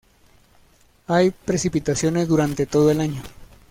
Hay precipitaciones durante todo el año.